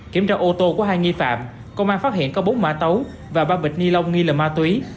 kiểm tra ô tô của hai nghi phạm công an phát hiện có bốn mã tấu và ba bịch ni lông nghi là ma túy